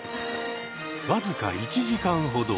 わずか１時間ほど。